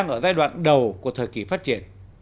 công nghiệp tư nhân đang ở giai đoạn đầu của thời kỳ phát triển